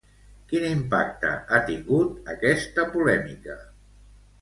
Quin impacte ha tingut aquesta polèmica?